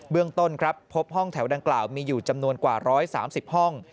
เรื่องต้นครับพบห้องแถวดังกล่าวมีอยู่จำนวนกว่า๑๓๐ห้อง